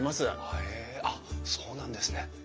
へえあっそうなんですね。